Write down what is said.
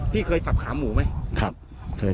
พี่เคยสับขาหมูไหมครับเคยสับ